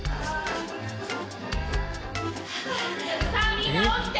さあみんな起きて。